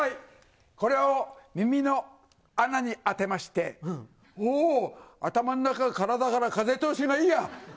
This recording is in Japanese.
これを耳の穴に当てまして、おー、頭の中、体から風通しがいいや。